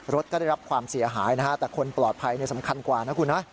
รถก็ได้รับความเสียหายนะฮะแต่คนปลอดภัยสำคัญกว่านะคุณนะ